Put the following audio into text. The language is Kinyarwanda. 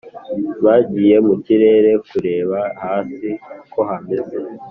bagiye mu kirere kureba hasi uko hameze.